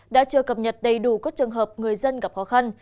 đã chưa cập nhật đầy đủ các trường hợp người dân gặp khó khăn